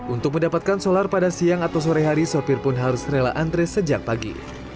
untuk mendapatkan solar pada siang atau sore hari sopir pun harus rela antre sejak pagi